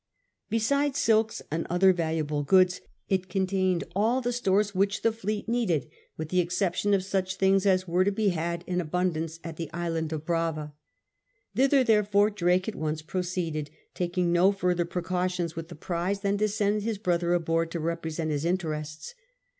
Besides silks and other valuable goods, it contAned all the stores which the fleet needed, with the exception of such things as were to be had in abundance at the island of Brava. Thither, therefore, Drake at once proceeded, taking no further precautions with the prize than to send his brother aboard to represent his interests.